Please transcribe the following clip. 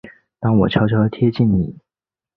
当我悄悄贴近你